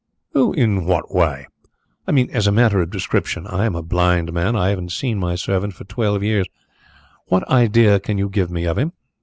"In what way?" "I mean as a matter of description. I am a blind man I haven't seen my servant for twelve years what idea can you give me of him?